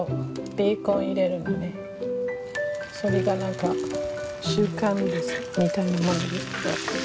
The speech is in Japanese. それが何か習慣みたいなもの。